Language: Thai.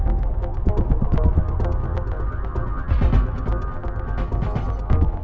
อิสระรมุมไหวที่เราจะพาไป